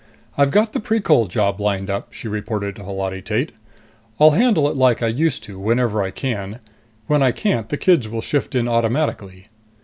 "I've got the Precol job lined up," she reported to Holati Tate. "I'll handle it like I used to, whenever I can. When I can't, the kids will shift in automatically."